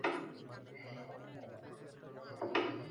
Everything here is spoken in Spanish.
Es una imagen de estilo salzillo.